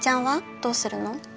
どうするの？